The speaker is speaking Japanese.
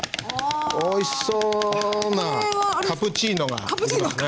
おいしそうなカプチーノが出来ますね。